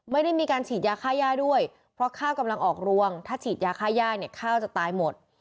ไม่ได้มีการฉีดยาค่าย่าด้วยเพราะข้าวกำลังออกรวงถ้าฉีดยาค่าย่าเนี่ยข้าวจะตายหมด